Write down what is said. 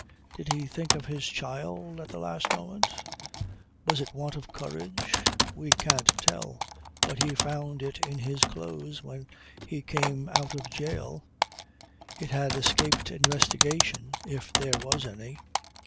Did he think of his child at the last moment? Was it want of courage? We can't tell. But he found it in his clothes when he came out of jail. It had escaped investigation if there was any.